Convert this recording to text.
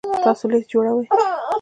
تاسو لیست جوړوئ؟